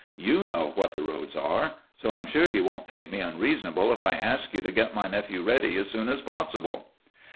You know what the roads are! So I'm sure you won't think me unreasonable if I ask you to get my nephew ready as soon as possible."